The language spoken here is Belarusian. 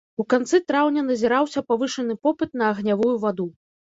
У канцы траўня назіраўся павышаны попыт на агнявую ваду.